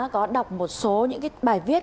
có đọc một số những bài viết